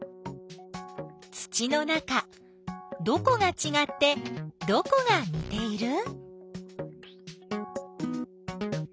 土の中どこがちがってどこがにている？